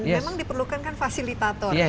memang diperlukan kan fasilitator